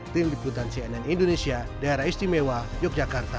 tim liputan cnn indonesia daerah istimewa yogyakarta